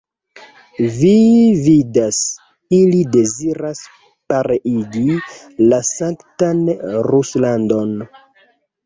Vi vidas, ili deziras pereigi la sanktan Ruslandon!